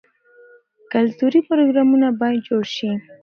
کلتوري پروګرامونه باید جوړ شي.